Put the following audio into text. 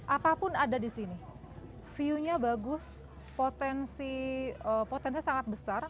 apapun ada di sini view nya bagus potensi sangat besar